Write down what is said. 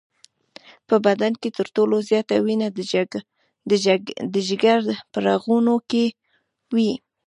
په بدن کې تر ټولو زیاته وینه د جگر په رګونو کې وي.